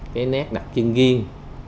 cái nét đặc trưng ghiêng